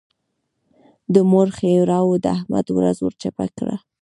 د مور ښېراوو د احمد ورځ ور چپه کړه.